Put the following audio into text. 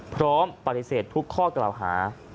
พร้อมปฏิเสธทุกข้อกล่าวหา